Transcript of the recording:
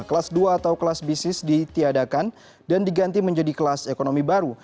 kelas dua atau kelas bisnis ditiadakan dan diganti menjadi kelas ekonomi baru